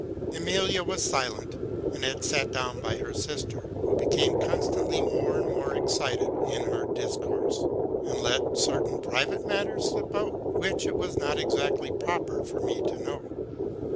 Emilia was silent, and had sat down by her sister, who be came constantly more and more excited in her discourse, and let certain private matters slip out, which it was not exactly proper for me to know.